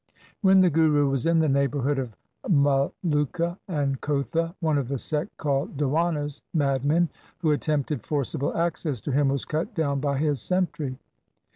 When the Guru was in the neighbourhood of Maluka and Kotha, one of the sect called Diwanas (madmen), who attempted forcible access to him, was cut down by his sentry.